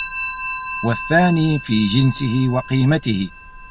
وَالثَّانِي فِي جِنْسِهِ وَقِيمَتِهِ